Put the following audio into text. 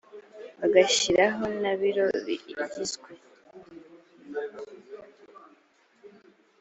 bagashyiraho na biro igizwe